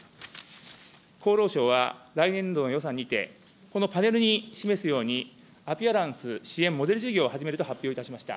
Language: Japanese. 厚労省は来年度の予算にて、このパネルに示すように、アピアランス支援モデル事業を始めると発表いたしました。